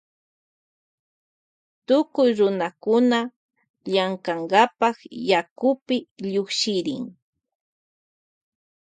Tukuy runakuna llukshirin llankankapa yakupi.